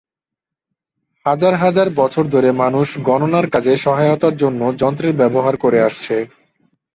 হাজার হাজার বছর ধরে মানুষ গণনার কাজে সহায়তার জন্য যন্ত্রের ব্যবহার করে আসছে।